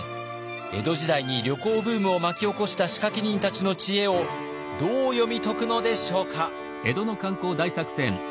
江戸時代に旅行ブームを巻き起こした仕掛け人たちの知恵をどう読み解くのでしょうか。